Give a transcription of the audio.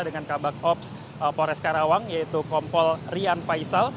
dengan kabak ops pores karawang yaitu kompol rian faisal